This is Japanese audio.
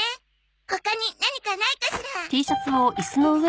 他に何かないかしら？